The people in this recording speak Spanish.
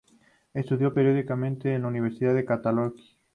Estudió periodismo en la Universidad Católica.